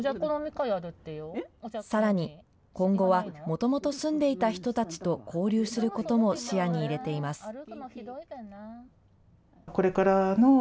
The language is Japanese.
さらに、今後はもともと住んでいた人たちと交流することも視野に入れています。